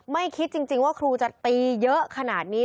ไม่คิดจริงว่าครูจะตีเยอะขนาดนี้